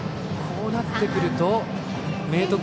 こうなってくると明徳